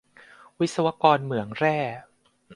วิศวกรเหมือนแร่